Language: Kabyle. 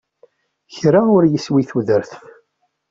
Kra ur yeswi tudert.